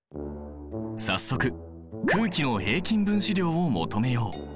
早速空気の平均分子量を求めよう！